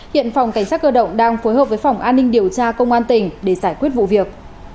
hiện phòng cảnh sát cơ động đang phối hợp với phòng an ninh điều tra công an tỉnh để giải quyết vụ việc